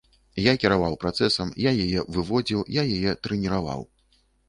Я кіраваў працэсам, я яе выводзіў, я яе трэніраваў.